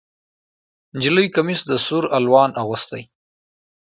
نجلۍ کمیس د سور الوان اغوستی